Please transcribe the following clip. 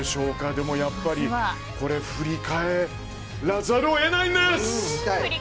でもやっぱり振り返らざるを得ないんです。